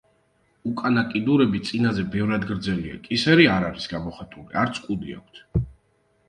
უკანა კიდურები წინაზე ბევრად გრძელია, კისერი არ არის გამოხატული, არც კუდი აქვთ.